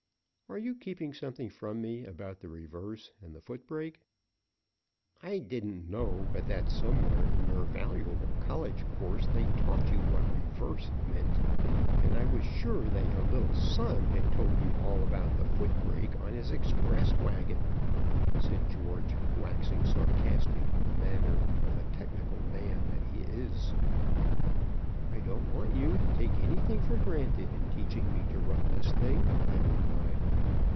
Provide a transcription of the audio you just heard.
Are you keeping something from me about the reverse and the foot brake?" "I didn't know but that somewhere in your valuable college course they taught you what 'reverse' meant, and I was sure that your little son had told you all about the foot brake on his express wagon," said George, waxing sarcastic in the manner of the technical man that he is. "I don't want you to take anything for granted in teaching me to run this thing," I replied.